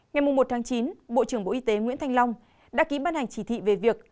ngày một chín bộ trưởng bộ y tế nguyễn thanh long đã ký ban hành chỉ thị về việc